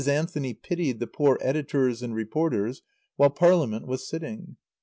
Anthony pitied the poor editors and reporters while Parliament was sitting.